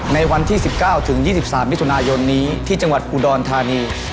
ในวันที่๑๙ถึง๒๓มิถุนายนนี้ที่จังหวัดอุดรธานี